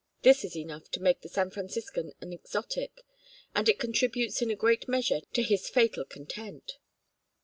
This is enough to make the San Franciscan an exotic, and it contributes in a great measure to his fatal content.